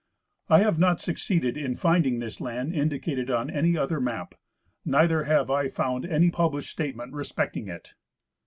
I have not succeeded in finding this land indicated on any other map, neither have I found any published statement respecting it.